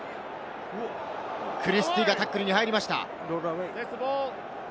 クリスティーがタックルに入りました。